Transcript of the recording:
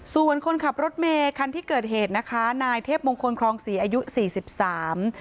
ส่วนคนขับรถเมคันที่เกิดเหตุนะคะนายเทพมงคลครองศรีอายุสี่สิบสาม